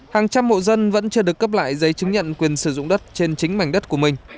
hàng trăm hộ dân vẫn chưa được cấp lại giấy chứng nhận quyền sử dụng đất trên chính mảnh đất của mình